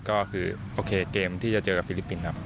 ก็คือโอเคเกมที่จะเจอกับฟิลิปปินส์ครับ